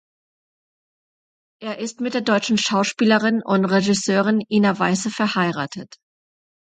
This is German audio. Er ist mit der deutschen Schauspielerin und Regisseurin Ina Weisse verheiratet.